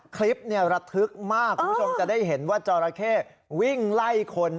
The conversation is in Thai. คลิปเนี้ยระทึกมากกูชมจะได้เห็นว่าจอแค่วิ่งไล่คน